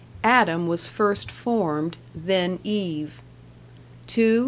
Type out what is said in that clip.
Adam was first formed, then Eve.